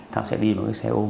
thao sẽ đi với cái xe ôm